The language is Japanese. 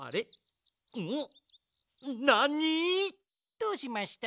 どうしました？